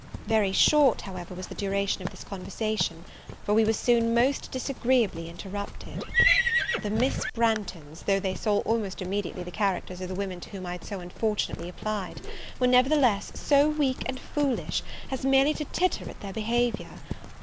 Very short, however, was the duration of this conversation; for we were soon most disagreeably interrupted. The Miss Branghtons, though they saw almost immediately the characters of the women to whom I had so unfortunately applied, were, nevertheless, so weak and foolish, as merely to titter at their behaviour.